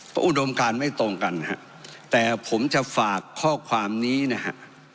เพราะอุดมการไม่ตรงกันฮะแต่ผมจะฝากข้อความนี้นะฮะ